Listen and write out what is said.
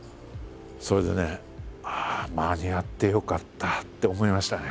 それでね「ああ間に合ってよかった」って思いましたね。